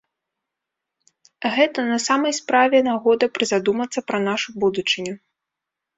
Гэта на самай справе нагода прызадумацца пра нашу будучыню.